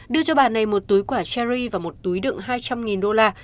đưa cho bà này một túi quả cherry và một túi đựng hai trăm linh đô la